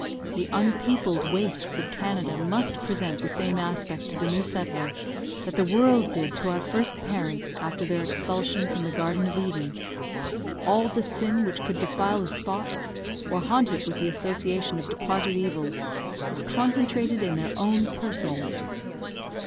The unpeopled wastes of Canada must present the same aspect to the new settler that the world did to our first parents after their expulsion from the Garden of Eden; all the sin which could defile the spot, or haunt it with the association of departed evil, is concentrated in their own persons.